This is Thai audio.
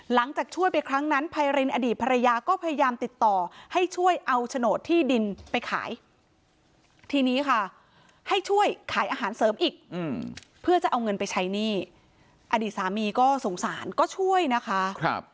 หลังจากช่วยไปครั้งนั้นไพรินอดีตภรรยาก็พยายามติดต่อให้ช่วยเอาโฉนดที่ดินไปขายทีนี้ค่ะให้ช่วยขายอาหารเสริมอีกเพื่อจะเอาเงินไปใช้หนี้อดีตสามีก็สงสารก็ช่วยนะคะ